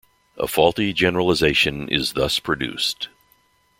A faulty generalization is thus produced.